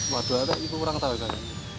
waduh itu orang tahu kan